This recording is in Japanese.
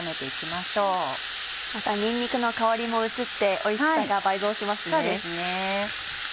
またにんにくの香りも移っておいしさが倍増しますね。